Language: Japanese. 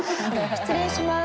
失礼します。